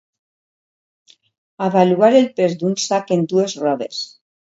Avaluar el pes d'un sac en dues roves.